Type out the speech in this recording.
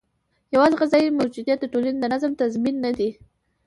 یوازې غذايي موجودیت د ټولنې د نظم تضمین نه دی.